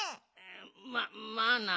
ままあな。